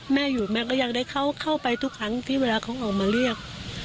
แม่อยู่แม่ก็ยังได้เข้าไปทุกครั้งที่เวลาเขาออกมาเรียก